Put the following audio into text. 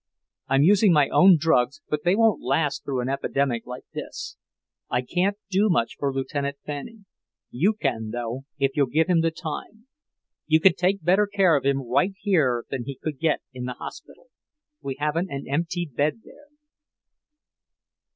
I'm using my own drugs, but they won't last through an epidemic like this. I can't do much for Lieutenant Fanning. You can, though, if you'll give him the time. You can take better care of him right here than he could get in the hospital. We haven't an empty bed there."